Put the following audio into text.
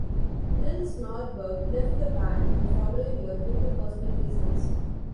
Nils Norberg left the band the following year due to personal reasons.